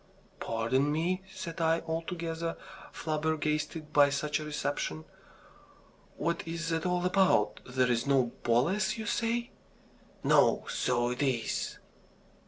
"Pardon me!" said I, altogether flabbergasted by such a reception, "what is it all about? There's no Boles, you say?" "No. So it is."